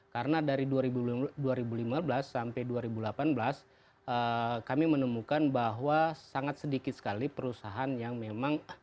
karena dari dua ribu lima belas sampai dua ribu delapan belas kami menemukan bahwa sangat sedikit sekali perusahaan yang memang